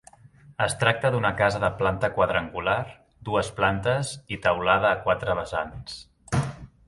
Es tracta d’una casa de planta quadrangular, dues plantes i teulada a quatre vessants.